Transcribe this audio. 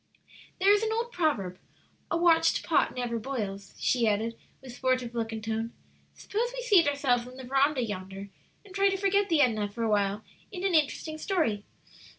"There is an old proverb, 'A watched pot never boils,'" she added, with sportive look and tone. "Suppose we seat ourselves in the veranda yonder and try to forget the Edna for awhile in an interesting story.